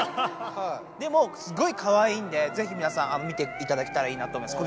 でもすごいかわいいんでぜひみなさん見ていただけたらいいなと思います